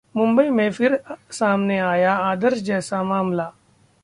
मुंबई में फिर सामने आया आदर्श जैसा मामला